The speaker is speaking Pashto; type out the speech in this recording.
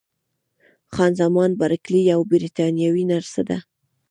خان زمان بارکلي یوه بریتانوۍ نرسه ده.